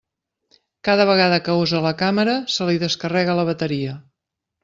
Cada vegada que usa la càmera se li descarrega la bateria.